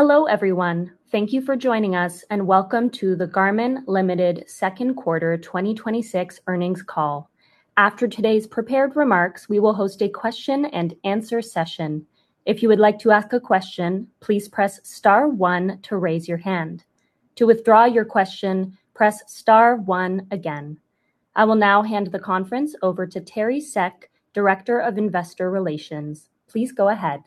Hello, everyone. Thank you for joining us, and welcome to the Garmin Limited. second quarter 2026 earnings call. After today's prepared remarks, we will host a question and answer session. If you would like to ask a question, please press star one to raise your hand. To withdraw your question, press star one again. I will now hand the conference over to Teri Seck, Director of Investor Relations. Please go ahead.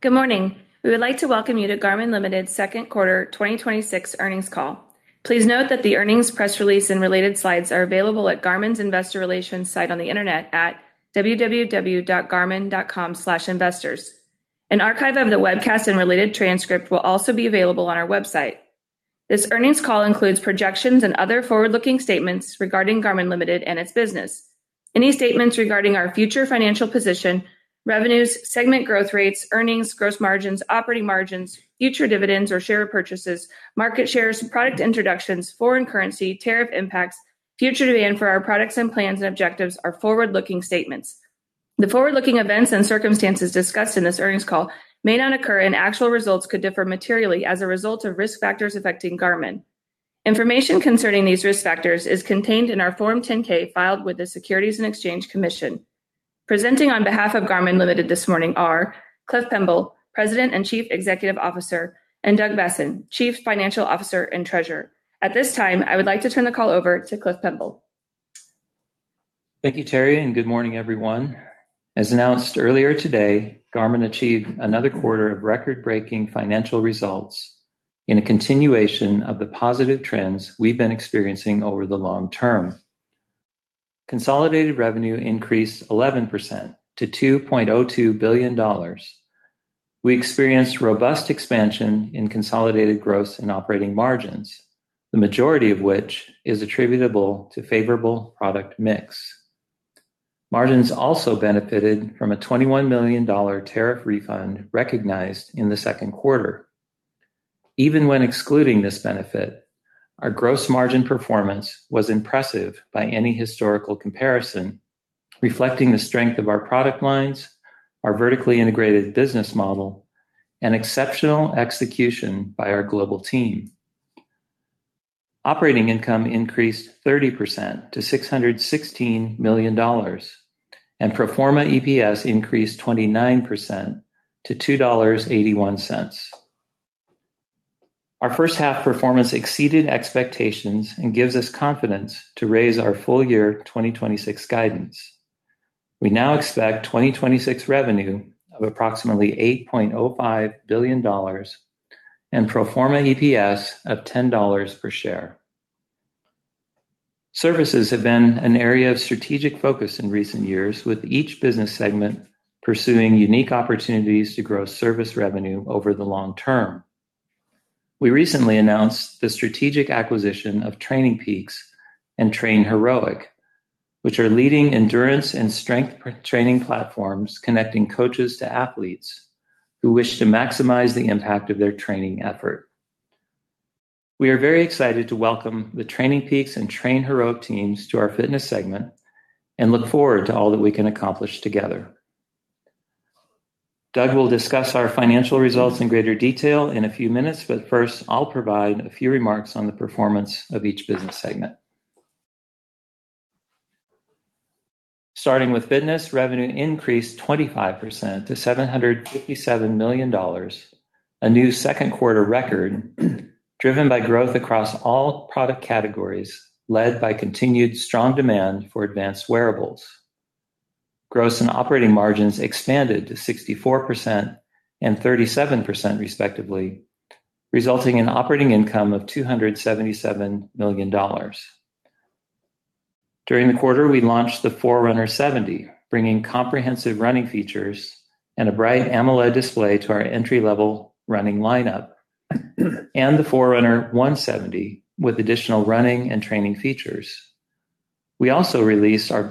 Good morning. We would like to welcome you to Garmin Limited.'s second quarter 2026 earnings call. Please note that the earnings press release and related slides are available at garmin.com/investors. An archive of the webcast and related transcript will also be available on our website. This earnings call includes projections and other forward-looking statements regarding Garmin Limited. and its business. Any statements regarding our future financial position, revenues, segment growth rates, earnings, gross margins, operating margins, future dividends or share purchases, market shares, product introductions, foreign currency, tariff impacts, future demand for our products, and plans and objectives are forward-looking statements. The forward-looking events and circumstances discussed in this earnings call may not occur, and actual results could differ materially as a result of risk factors affecting Garmin. Information concerning these risk factors is contained in our Form 10-K filed with the Securities and Exchange Commission. Presenting on behalf of Garmin Limited. this morning are Cliff Pemble, President and Chief Executive Officer, and Doug Boessen, Chief Financial Officer and Treasurer. At this time, I would like to turn the call over to Cliff Pemble. Thank you, Teri. Good morning, everyone. As announced earlier today, Garmin achieved another quarter of record-breaking financial results in a continuation of the positive trends we've been experiencing over the long term. Consolidated revenue increased 11% to $2.02 billion. We experienced robust expansion in consolidated gross and operating margins, the majority of which is attributable to favorable product mix. Margins also benefited from a $21 million tariff refund recognized in the second quarter. Even when excluding this benefit, our gross margin performance was impressive by any historical comparison, reflecting the strength of our product lines, our vertically integrated business model, and exceptional execution by our global team. Operating income increased 30% to $616 million, and pro forma EPS increased 29% to $2.81. Our first half performance exceeded expectations and gives us confidence to raise our full year 2026 guidance. We now expect 2026 revenue of approximately $8.05 billion, and pro forma EPS of $10 per share. Services have been an area of strategic focus in recent years, with each business segment pursuing unique opportunities to grow service revenue over the long term. We recently announced the strategic acquisition of TrainingPeaks and TrainHeroic, which are leading endurance and strength training platforms connecting coaches to athletes who wish to maximize the impact of their training effort. We are very excited to welcome the TrainingPeaks and TrainHeroic teams to our Fitness segment and look forward to all that we can accomplish together. Doug will discuss our financial results in greater detail in a few minutes, but first, I'll provide a few remarks on the performance of each business segment. Starting with Fitness, revenue increased 25% to $757 million, a new second quarter record driven by growth across all product categories, led by continued strong demand for advanced wearables. Gross and operating margins expanded to 64% and 37% respectively, resulting in operating income of $277 million. During the quarter, we launched the Forerunner 70, bringing comprehensive running features and a bright AMOLED display to our entry-level running lineup, and the Forerunner 170 with additional running and training features. We also released our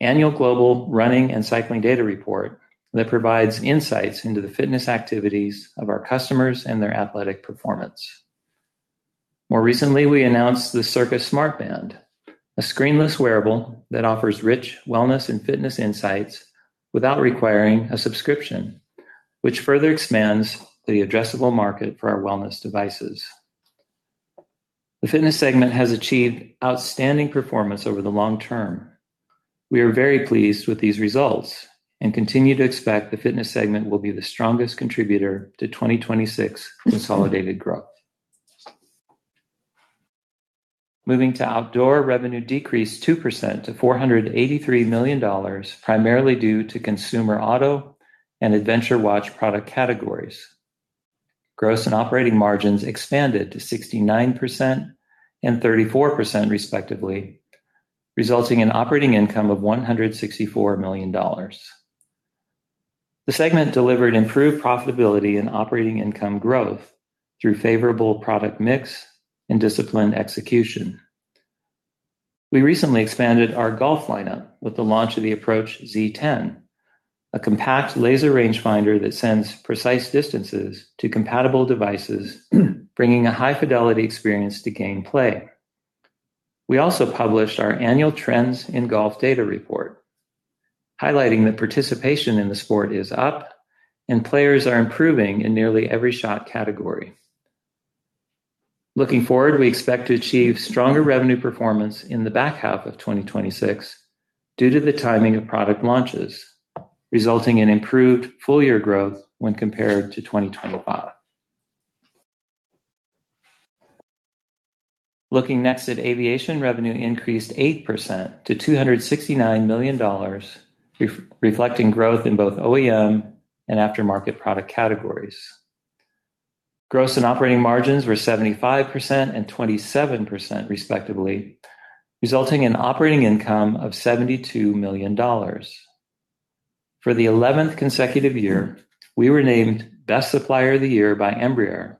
annual global running and cycling data report that provides insights into the fitness activities of our customers and their athletic performance. More recently, we announced the CIRQA™ Smart Band, a screen-less wearable that offers rich wellness and fitness insights without requiring a subscription, which further expands the addressable market for our wellness devices. The Fitness segment has achieved outstanding performance over the long term. We are very pleased with these results and continue to expect the Fitness segment will be the strongest contributor to 2026 consolidated growth. Moving to Outdoor, revenue decreased 2% to $483 million, primarily due to consumer auto and adventure watch product categories. Gross and operating margins expanded to 69% and 34% respectively, resulting in operating income of $164 million. The segment delivered improved profitability and operating income growth through favorable product mix and disciplined execution. We recently expanded our golf lineup with the launch of the Approach Z10, a compact laser rangefinder that sends precise distances to compatible devices, bringing a high-fidelity experience to gameplay. We also published our annual Trends in Golf Data report, highlighting that participation in the sport is up and players are improving in nearly every shot category. Looking forward, we expect to achieve stronger revenue performance in the back half of 2026 due to the timing of product launches, resulting in improved full-year growth when compared to 2025. Looking next at Aviation, revenue increased 8% to $269 million, reflecting growth in both OEM and aftermarket product categories. Gross and operating margins were 75% and 27%, respectively, resulting in operating income of $72 million. For the 11th consecutive year, we were named Best Supplier of the Year by Embraer,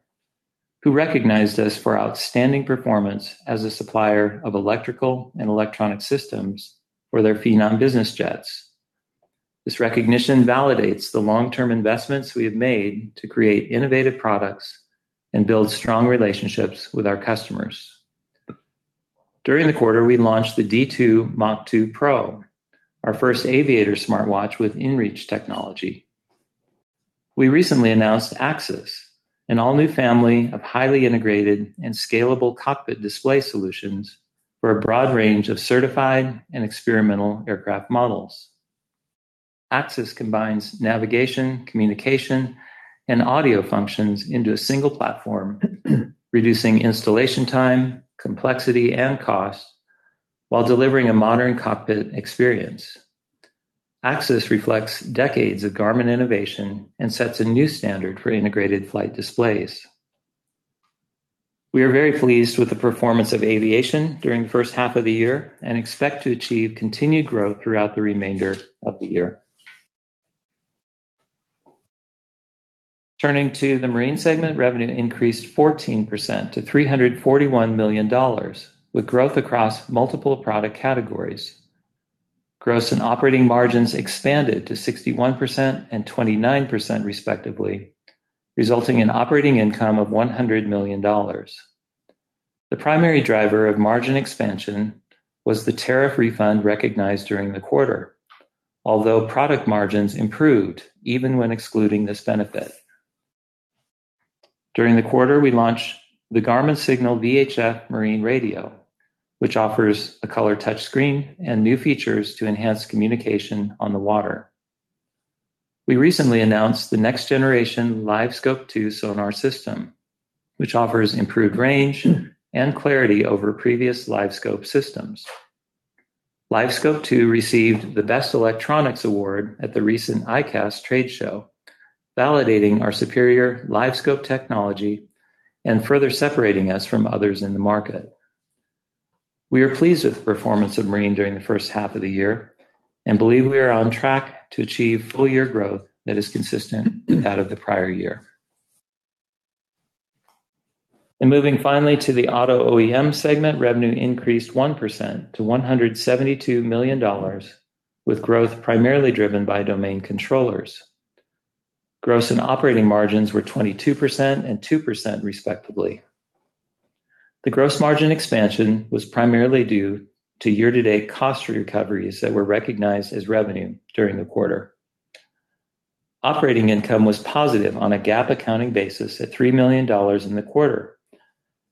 who recognized us for outstanding performance as a supplier of electrical and electronic systems for their Phenom business jets. This recognition validates the long-term investments we have made to create innovative products and build strong relationships with our customers. During the quarter, we launched the D2 Mach 2 Pro, our first aviator smartwatch with inReach technology. We recently announced AXIS, an all-new family of highly integrated and scalable cockpit display solutions for a broad range of certified and experimental aircraft models. AXIS combines navigation, communication, and audio functions into a single platform, reducing installation time, complexity, and cost while delivering a modern cockpit experience. AXIS reflects decades of Garmin innovation and sets a new standard for integrated flight displays. We are very pleased with the performance of Aviation during the first half of the year and expect to achieve continued growth throughout the remainder of the year. Turning to the Marine segment, revenue increased 14% to $341 million, with growth across multiple product categories. Gross and operating margins expanded to 61% and 29%, respectively, resulting in operating income of $100 million. Although product margins improved even when excluding this benefit. During the quarter, we launched the Garmin Signal VHF Marine Radio, which offers a color touchscreen and new features to enhance communication on the water. We recently announced the next generation LiveScope 2 sonar system, which offers improved range and clarity over previous LiveScope systems. LiveScope 2 received the Best Electronics award at the recent ICAST trade show, validating our superior LiveScope technology and further separating us from others in the market. We are pleased with the performance of Marine during the first half of the year and believe we are on track to achieve full-year growth that is consistent with that of the prior year. Moving finally to the Auto OEM segment, revenue increased 1% to $172 million, with growth primarily driven by domain controllers. Gross and operating margins were 22% and 2%, respectively. The gross margin expansion was primarily due to year-to-date cost recoveries that were recognized as revenue during the quarter. Operating income was positive on a GAAP accounting basis at $3 million in the quarter,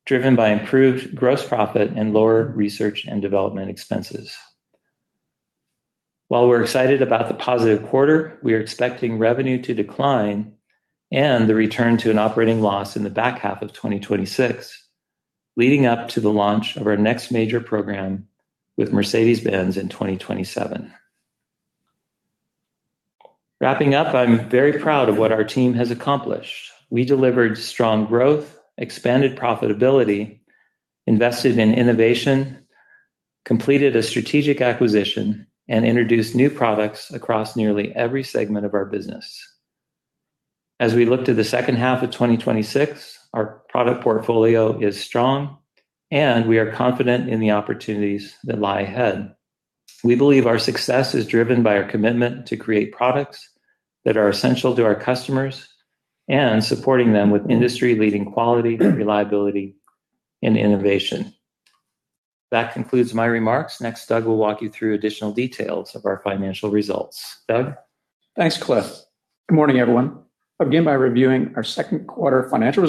driven by improved gross profit and lower research and development expenses. While we're excited about the positive quarter, we are expecting revenue to decline and the return to an operating loss in the back half of 2026, leading up to the launch of our next major program with Mercedes-Benz in 2027. Wrapping up, I'm very proud of what our team has accomplished. We delivered strong growth, expanded profitability, invested in innovation, completed a strategic acquisition, and introduced new products across nearly every segment of our business. As we look to the second half of 2026, our product portfolio is strong, and we are confident in the opportunities that lie ahead. We believe our success is driven by our commitment to create products that are essential to our customers and supporting them with industry-leading quality, reliability, and innovation. That concludes my remarks. Next, Doug will walk you through additional details of our financial results. Doug? Thanks, Cliff. Good morning, everyone. I will begin by reviewing our second quarter financial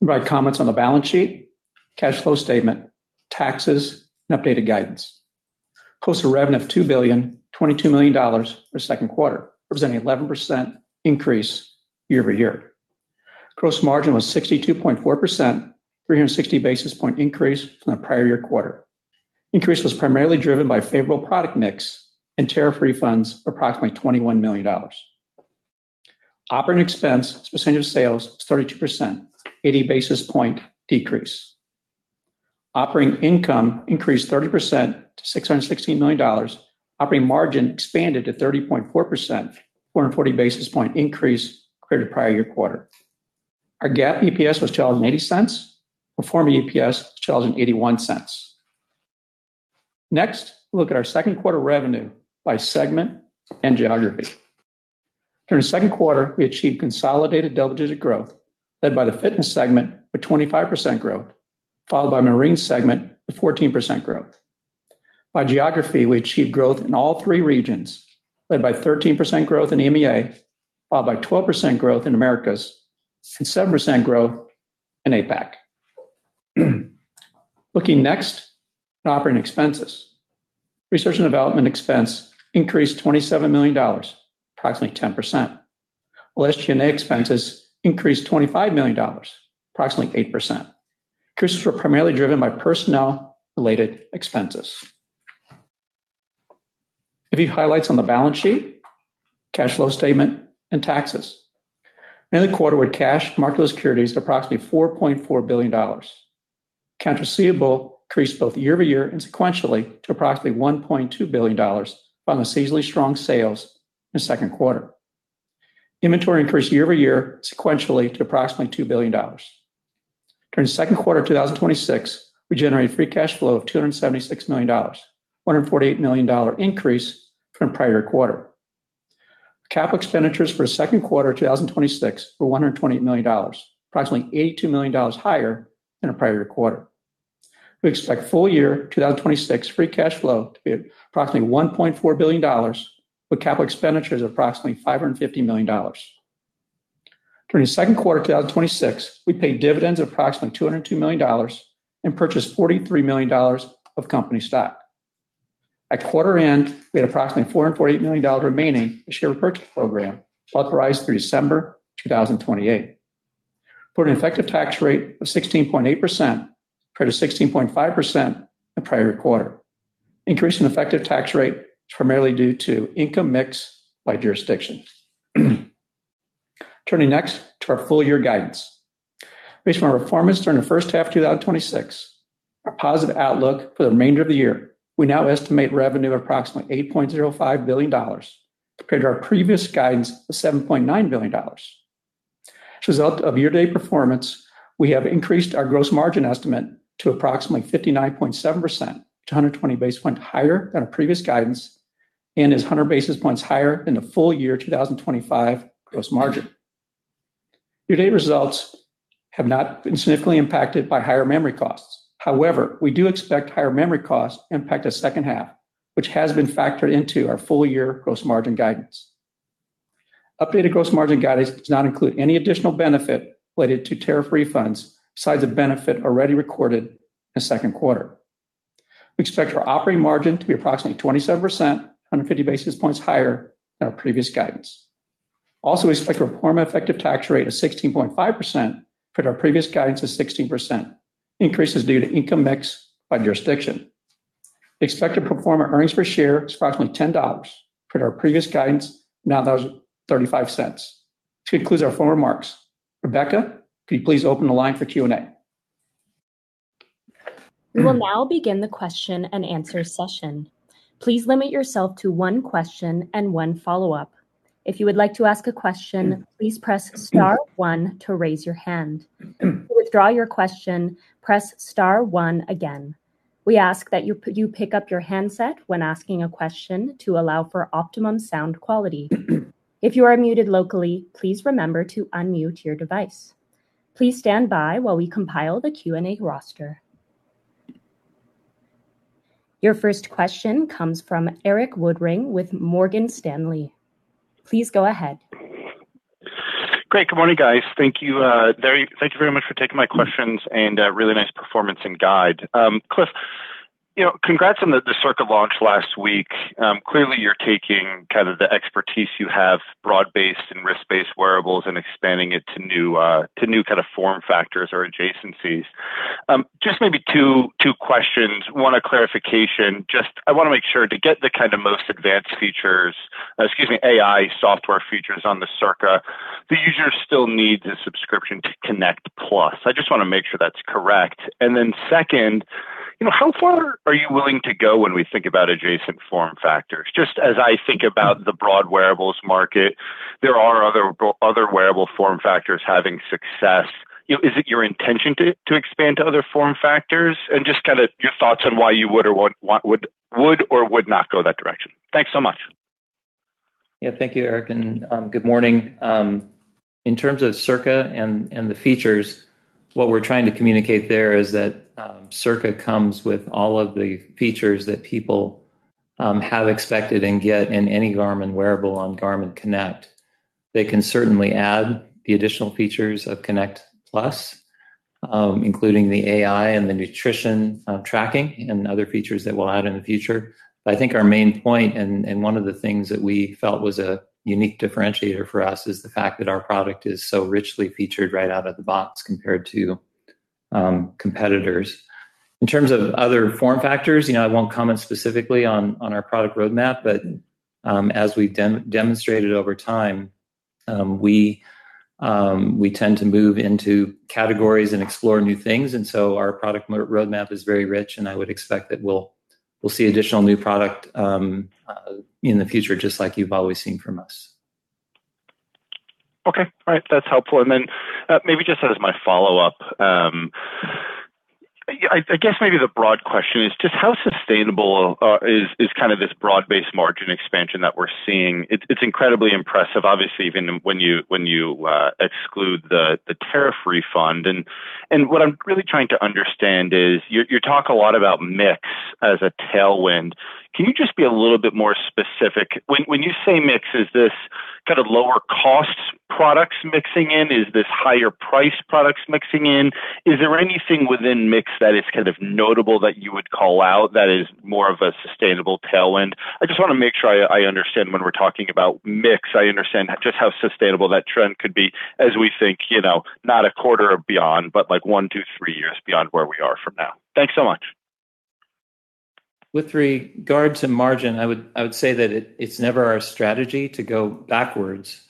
results, provide comments on the balance sheet, cash flow statement, taxes, and updated guidance. Consolidated revenue of $2,022 million for second quarter, representing 11% increase year-over-year. Gross margin was 62.4%, 360 basis point increase from the prior year quarter. Increase was primarily driven by favorable product mix and tariff refunds, approximately $21 million. Operating expense as a percentage of sales was 32%, 80 basis point decrease. Operating income increased 30% to $616 million. Operating margin expanded to 30.4%, 440 basis point increase compared to prior year quarter. Our GAAP EPS was $2.80. Pro forma EPS was $2.81. Next, look at our second quarter revenue by segment and geography. During the second quarter, we achieved consolidated double-digit growth led by the fitness segment with 25% growth, followed by marine segment with 14% growth. By geography, we achieved growth in all three regions, led by 13% growth in EMEA, followed by 12% growth in Americas, and 7% growth in APAC. Looking next at operating expenses. Research and development expense increased $27 million, approximately 10%. SG&A expenses increased $25 million, approximately 8%. Increases were primarily driven by personnel-related expenses. A few highlights on the balance sheet, cash flow statement, and taxes. End of the quarter, we had cash, marketable securities of approximately $4.4 billion. Accounts receivable increased both year-over-year and sequentially to approximately $1.2 billion on the seasonally strong sales in the second quarter. Inventory increased year-over-year sequentially to approximately $2 billion. During the second quarter of 2026, we generated free cash flow of $276 million, $148 million increase from prior quarter. Capital expenditures for second quarter 2026 were $128 million, approximately $82 million higher than the prior quarter. We expect full-year 2026 free cash flow to be at approximately $1.4 billion, with capital expenditures of approximately $550 million. During the second quarter of 2026, we paid dividends of approximately $202 million and purchased $43 million of company stock. At quarter end, we had approximately $448 million remaining in the share repurchase program authorized through December 2028. We reported an effective tax rate of 16.8%, compared to 16.5% in the prior quarter. Increase in effective tax rate is primarily due to income mix by jurisdiction. Turning next to our full-year guidance. Based on our performance during the first half of 2026, our positive outlook for the remainder of the year, we now estimate revenue of approximately $8.05 billion compared to our previous guidance of $7.9 billion. As a result of year-to-date performance, we have increased our gross margin estimate to approximately 59.7%, 120 basis points higher than our previous guidance and is 100 basis points higher than the full-year 2025 gross margin. Year-to-date results have not been significantly impacted by higher memory costs. We do expect higher memory costs to impact the second half, which has been factored into our full-year gross margin guidance. Updated gross margin guidance does not include any additional benefit related to tariff refunds besides the benefit already recorded in the second quarter. We expect our operating margin to be approximately 27%, 150 basis points higher than our previous guidance. We expect to report an effective tax rate of 16.5%, compared to our previous guidance of 16%. Increase is due to income mix by jurisdiction. We expect to report earnings per share of approximately $10 compared to our previous guidance of $9.35. This concludes our formal remarks. Rebecca, could you please open the line for question-and-answer? We will now begin the question-and-answer session. Please limit yourself to one question and one follow-up. If you would like to ask a question, please press star one to raise your hand. To withdraw your question, press star one again. We ask that you pick up your handset when asking a question to allow for optimum sound quality. If you are muted locally, please remember to unmute your device. Please stand by while we compile the question-and-answer roster. Your first question comes from Erik Woodring with Morgan Stanley. Please go ahead. Great. Good morning, guys. Thank you very much for taking my questions and a really nice performance and guide. Cliff, congrats on the CIRQA launch last week. Clearly, you're taking kind of the expertise you have, broad-based and wrist-based wearables, and expanding it to new kind of form factors or adjacencies. Just maybe two questions. One, a clarification. I want to make sure to get the kind of most advanced features, excuse me, AI software features on the CIRQA, the user still needs a subscription to Garmin Connect+. I just want to make sure that's correct. Second, how far are you willing to go when we think about adjacent form factors? Just as I think about the broad wearables market, there are other wearable form factors having success. Is it your intention to expand to other form factors? Just kind of your thoughts on why you would or would not go that direction. Thanks so much. Thank you, Erik, and good morning. In terms of CIRQA and the features, what we're trying to communicate there is that CIRQA comes with all of the features that people have expected and get in any Garmin wearable on Garmin Connect+. They can certainly add the additional features of Garmin Connect+, including the AI and the nutrition tracking and other features that we'll add in the future. I think our main point, and one of the things that we felt was a unique differentiator for us, is the fact that our product is so richly featured right out of the box compared to competitors. In terms of other form factors, I won't comment specifically on our product roadmap, but as we've demonstrated over time, we tend to move into categories and explore new things. Our product roadmap is very rich, and I would expect that we'll see additional new product in the future, just like you've always seen from us. Okay. All right. That's helpful. Maybe just as my follow-up, I guess maybe the broad question is just how sustainable is this broad-based margin expansion that we're seeing? It's incredibly impressive, obviously, even when you exclude the tariff refund. What I'm really trying to understand is, you talk a lot about mix as a tailwind. Can you just be a little bit more specific? When you say mix, is this lower cost products mixing in? Is this higher price products mixing in? Is there anything within mix that is notable that you would call out that is more of a sustainable tailwind? I just want to make sure I understand when we're talking about mix, I understand just how sustainable that trend could be as we think, not a quarter or beyond, but like one to three years beyond where we are from now. Thanks so much. With regards to margin, I would say that it's never our strategy to go backwards.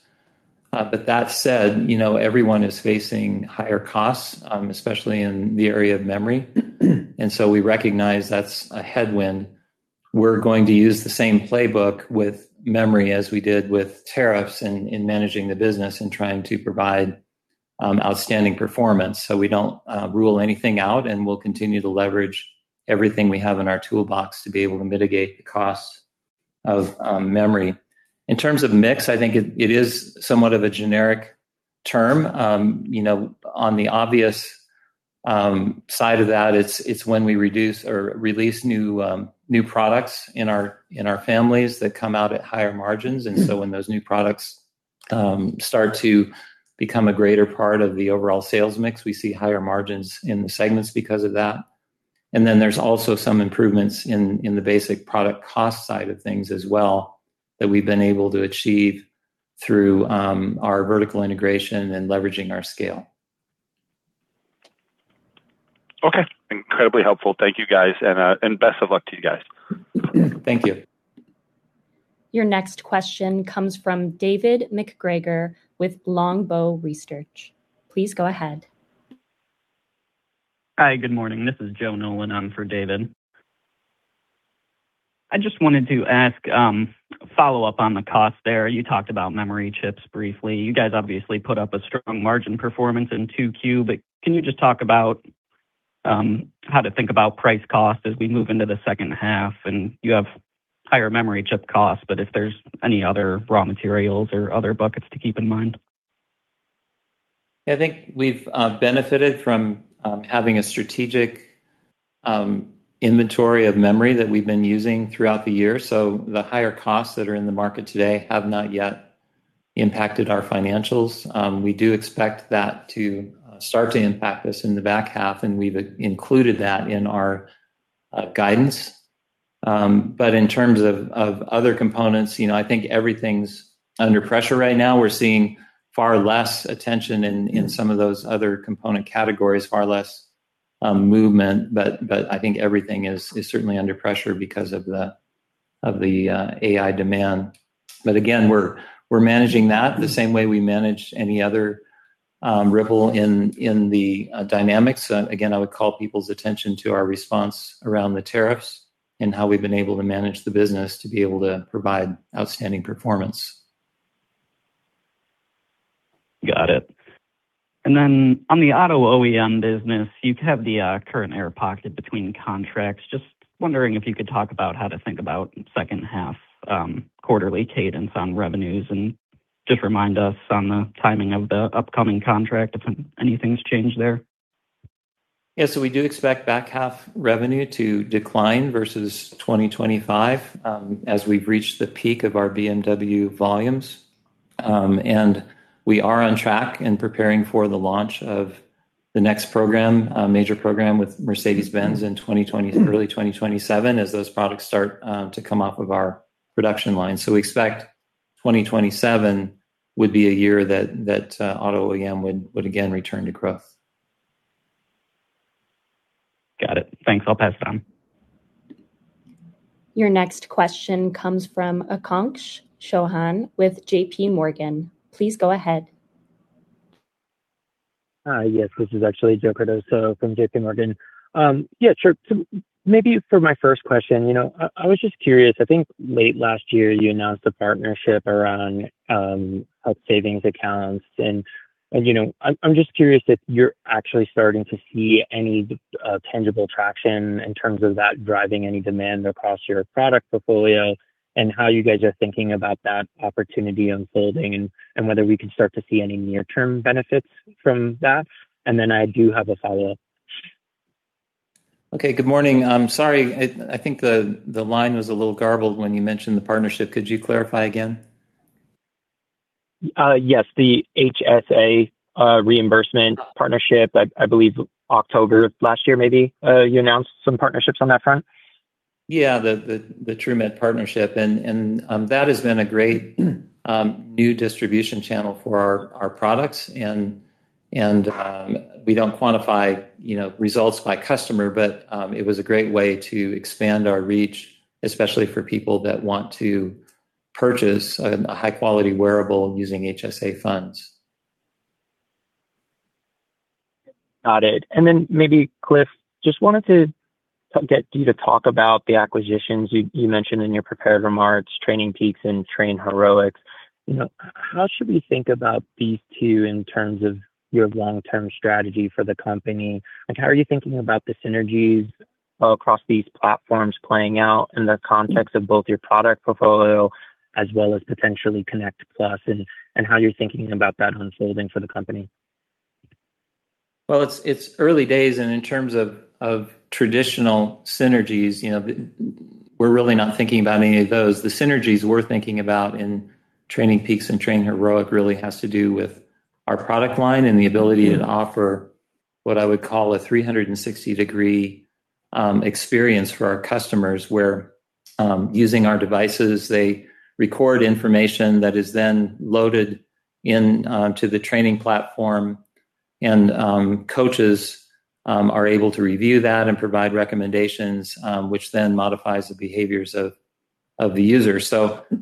That said, everyone is facing higher costs, especially in the area of memory. We recognize that's a headwind. We're going to use the same playbook with memory as we did with tariffs in managing the business and trying to provide outstanding performance. We don't rule anything out, and we'll continue to leverage everything we have in our toolbox to be able to mitigate the cost of memory. In terms of mix, I think it is somewhat of a generic term. On the obvious side of that, it's when we reduce or release new products in our families that come out at higher margins. When those new products start to become a greater part of the overall sales mix, we see higher margins in the segments because of that. There's also some improvements in the basic product cost side of things as well, that we've been able to achieve through our vertical integration and leveraging our scale. Okay. Incredibly helpful. Thank you, guys. Best of luck to you guys. Thank you. Your next question comes from David MacGregor with Longbow Research. Please go ahead. Hi. Good morning. This is Joseph Nolan on for David. I just wanted to ask follow-up on the cost there. You talked about memory chips briefly. You guys obviously put up a strong margin performance in 2Q. Can you just talk about how to think about price cost as we move into the second half, and you have higher memory chip costs, but if there's any other raw materials or other buckets to keep in mind? I think we've benefited from having a strategic inventory of memory that we've been using throughout the year. The higher costs that are in the market today have not yet impacted our financials. We do expect that to start to impact us in the back half, and we've included that in our guidance. In terms of other components, I think everything's under pressure right now. We're seeing far less attention in some of those other component categories, far less movement. I think everything is certainly under pressure because of the AI demand. Again, we're managing that the same way we manage any other ripple in the dynamics. Again, I would call people's attention to our response around the tariffs and how we've been able to manage the business to be able to provide outstanding performance. Got it. Then on the auto OEM business, you have the current air pocket between contracts. Just wondering if you could talk about how to think about second half quarterly cadence on revenues, and just remind us on the timing of the upcoming contract, if anything's changed there. Yeah. We do expect back half revenue to decline versus 2025, as we've reached the peak of our BMW volumes. We are on track and preparing for the launch of the next program, a major program with Mercedes-Benz in early 2027 as those products start to come off of our production line. We expect 2027 would be a year that auto OEM would again return to growth. Got it. Thanks. I'll pass it on. Your next question comes from Akansh Chauhan with JPMorgan. Please go ahead. Yes. This is actually Joseph Cardoso from JPMorgan. Yeah, sure. Maybe for my first question, I was just curious, I think late last year you announced a partnership around health savings accounts, and I'm just curious if you're actually starting to see any tangible traction in terms of that driving any demand across your product portfolio, and how you guys are thinking about that opportunity unfolding, and whether we can start to see any near-term benefits from that. Then I do have a follow-up. Okay. Good morning. I'm sorry. I think the line was a little garbled when you mentioned the partnership. Could you clarify again? Yes. The HSA reimbursement partnership. I believe October of last year, maybe, you announced some partnerships on that front. Yeah. The Truemed partnership. That has been a great new distribution channel for our products, and we don't quantify results by customer. It was a great way to expand our reach, especially for people that want to purchase a high-quality wearable using HSA funds. Got it. Then maybe Cliff, just wanted to get you to talk about the acquisitions you mentioned in your prepared remarks, TrainingPeaks and TrainHeroic. How should we think about these two in terms of your long-term strategy for the company? How are you thinking about the synergies across these platforms playing out in the context of both your product portfolio as well as potentially Connect Plus, and how you're thinking about that unfolding for the company? Well, it's early days, and in terms of traditional synergies, we're really not thinking about any of those. The synergies we're thinking about in TrainingPeaks and TrainHeroic really has to do with our product line and the ability to offer what I would call a 360-degree experience for our customers, where using our devices, they record information that is then loaded into the training platform. Coaches are able to review that and provide recommendations, which then modifies the behaviors of the user.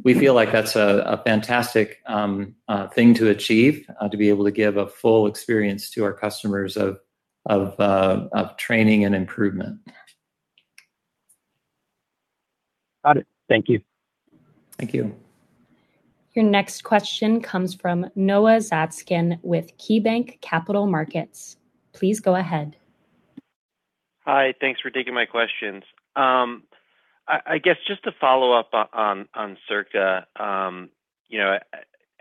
We feel like that's a fantastic thing to achieve, to be able to give a full experience to our customers of training and improvement. Got it. Thank you. Thank you. Your next question comes from Noah Zatzkin with KeyBanc Capital Markets. Please go ahead. Hi, thanks for taking my questions. I guess just to follow up on CIRQA.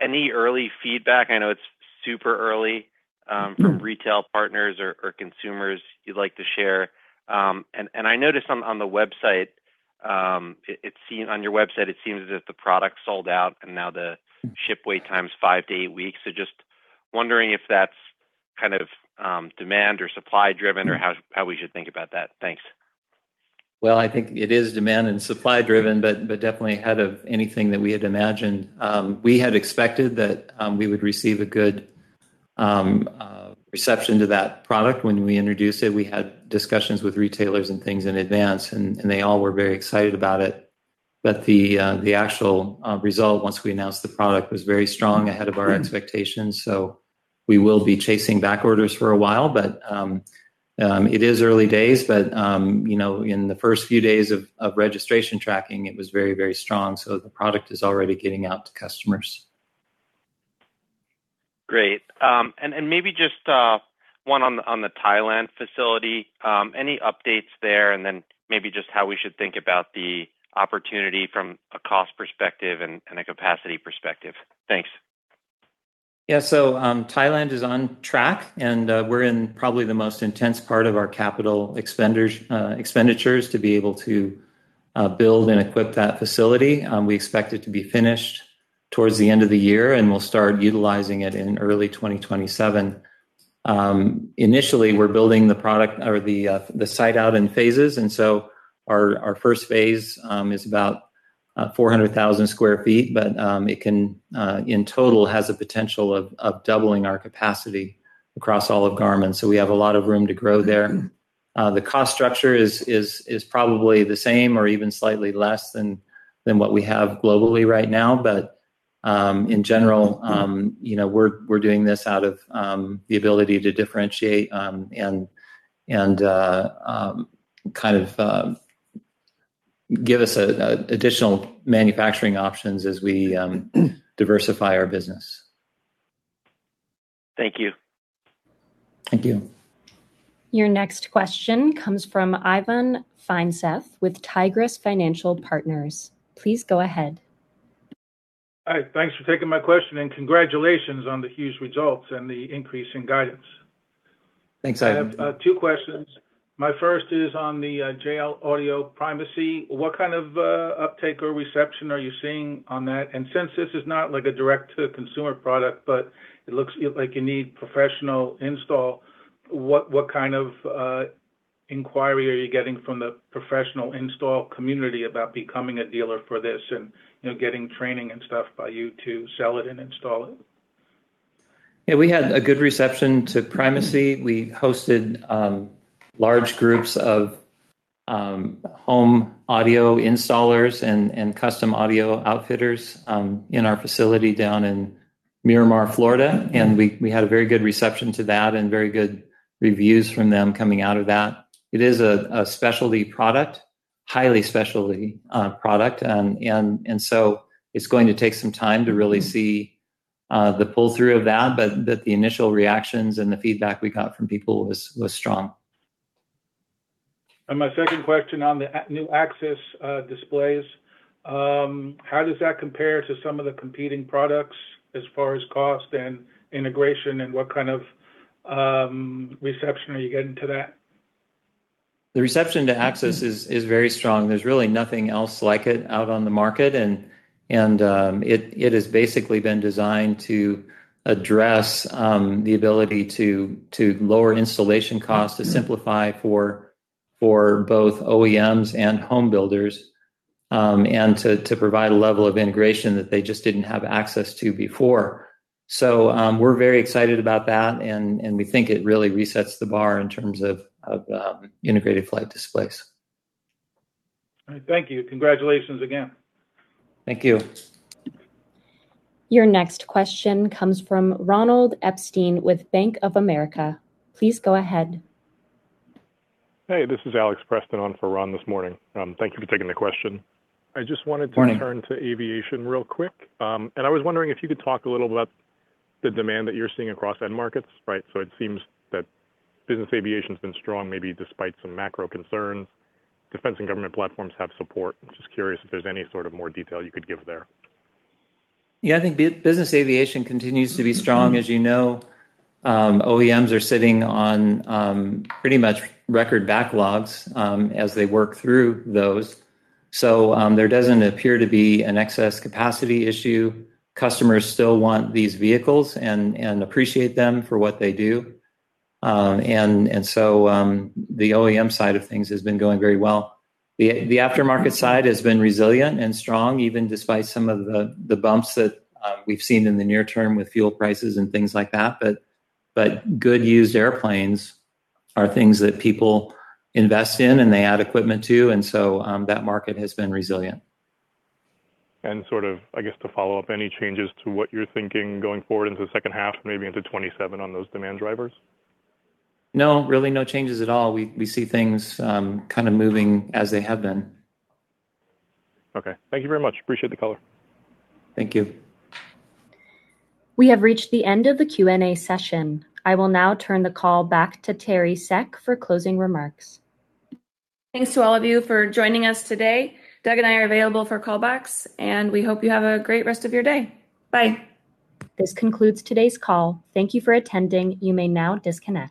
Any early feedback, I know it's super early, from retail partners or consumers you'd like to share? I noticed on your website, it seems as if the product sold out and now the ship wait time is five to eight weeks. Just wondering if that's kind of demand or supply driven, or how we should think about that. Thanks. I think it is demand and supply driven, definitely ahead of anything that we had imagined. We had expected that we would receive a good reception to that product when we introduced it. We had discussions with retailers and things in advance, and they all were very excited about it. The actual result, once we announced the product, was very strong, ahead of our expectations. We will be chasing back orders for a while. It is early days. In the first few days of registration tracking, it was very strong. The product is already getting out to customers. Great. Maybe just one on the Thailand facility. Any updates there? Maybe just how we should think about the opportunity from a cost perspective and a capacity perspective. Thanks. Thailand is on track, and we're in probably the most intense part of our capital expenditures to be able to build and equip that facility. We expect it to be finished towards the end of the year, and we'll start utilizing it in early 2027. Initially, we're building the site out in phases, our first phase is about 400,000 sq ft, it in total has a potential of doubling our capacity across all of Garmin. We have a lot of room to grow there. The cost structure is probably the same or even slightly less than what we have globally right now. In general, we're doing this out of the ability to differentiate and kind of give us additional manufacturing options as we diversify our business. Thank you. Thank you. Your next question comes from Ivan Feinseth with Tigress Financial Partners. Please go ahead. Hi, thanks for taking my question, and congratulations on the huge results and the increase in guidance. Thanks, Ivan. I have two questions. My first is on the JL Audio Primacy. What kind of uptake or reception are you seeing on that? Since this is not like a direct-to-consumer product, but it looks like you need professional install, what kind of inquiry are you getting from the professional install community about becoming a dealer for this and getting training and stuff by you to sell it and install it? Yeah, we had a good reception to Primacy. We hosted large groups of home audio installers and custom audio outfitters in our facility down in Miramar, Florida. We had a very good reception to that and very good reviews from them coming out of that. It is a specialty product, highly specialty product, so it's going to take some time to really see the pull-through of that. The initial reactions and the feedback we got from people was strong. My second question on the new AXIS displays. How does that compare to some of the competing products as far as cost and integration, what kind of reception are you getting to that? The reception to AXIS is very strong. There's really nothing else like it out on the market, it has basically been designed to address the ability to lower installation costs, to simplify for both OEMs and home builders, to provide a level of integration that they just didn't have access to before. We're very excited about that, we think it really resets the bar in terms of integrated flight displays. All right. Thank you. Congratulations again. Thank you. Your next question comes from Ronald Epstein with Bank of America. Please go ahead. Hey, this is Alexander Preston on for Ronald this morning. Thank you for taking the question. Morning. I just wanted to turn to aviation real quick. I was wondering if you could talk a little about the demand that you're seeing across end markets, right? It seems that business aviation's been strong, maybe despite some macro concerns. Defense and government platforms have support. I'm just curious if there's any sort of more detail you could give there. Yeah, I think business aviation continues to be strong. As you know, OEMs are sitting on pretty much record backlogs as they work through those. There doesn't appear to be an excess capacity issue. Customers still want these vehicles and appreciate them for what they do. The OEM side of things has been going very well. The aftermarket side has been resilient and strong, even despite some of the bumps that we've seen in the near term with fuel prices and things like that. Good used airplanes are things that people invest in, and they add equipment to, and so that market has been resilient. Sort of, I guess, to follow up, any changes to what you're thinking going forward into the second half, maybe into 2027, on those demand drivers? No, really no changes at all. We see things kind of moving as they have been. Okay. Thank you very much. Appreciate the color. Thank you. We have reached the end of the question-and-answer session. I will now turn the call back to Teri Seck for closing remarks. Thanks to all of you for joining us today. Doug and I are available for callbacks. We hope you have a great rest of your day. Bye. This concludes today's call. Thank you for attending. You may now disconnect.